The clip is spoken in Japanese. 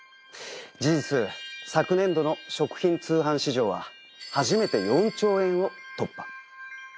事実昨年度の食品通販市場は初めて４兆円を突破。